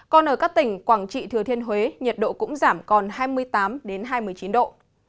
còn ở các tỉnh quảng trị thừa thiên huế nhiệt độ cũng giảm còn hai mươi tám hai mươi chín độ